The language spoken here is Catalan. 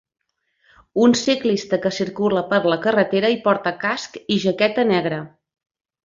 Un ciclista que circula per la carretera i porta casc i jaqueta negra.